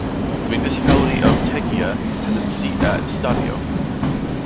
The municipality of Tegea has its seat at Stadio.